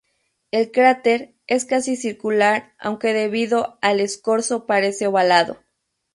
El cráter es casi circular, aunque debido al escorzo parece ovalado.